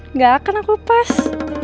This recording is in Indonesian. nggak akan aku lepas